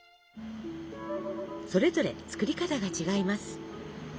それぞれ作り方が違います。